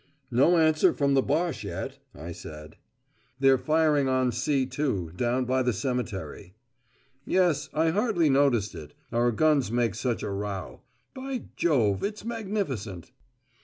"No answer from the Boche yet," I said. "They're firing on C 2, down by the cemetery." "Yes, I hardly noticed it; our guns make such a row. By Jove, it's magnificent."